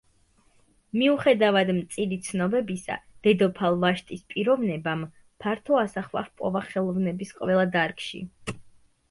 მიუხედავად მწირი ცნობებისა, დედოფალ ვაშტის პიროვნებამ ფართო ასახვა ჰპოვა ხელოვნების ყველა დარგში.